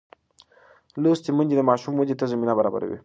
لوستې میندې د ماشوم ودې ته زمینه برابروي.